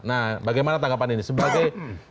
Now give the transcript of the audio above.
nah bagaimana tanggapan ini sebagai